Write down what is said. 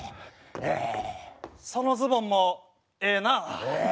そのズボンもええなあ。